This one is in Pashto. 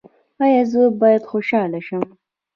ایا زه باید خوشحاله شم؟